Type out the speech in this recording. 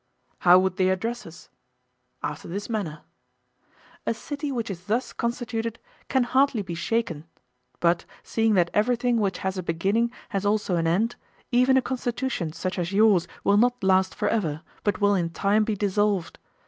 How would they address us? After this manner:—A city which is thus constituted can hardly be shaken; but, seeing that everything which has a beginning has also an end, even a constitution such as yours will not last for ever, but will in time be dissolved.